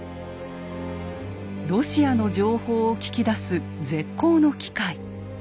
ロシアの情報を聞き出す絶好の機会。